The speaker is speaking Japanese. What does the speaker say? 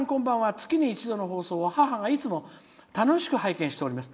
月に１度の放送を母がいつも楽しく拝見しております。